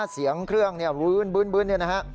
เสียงเครื่องบึ้นแล้วยัง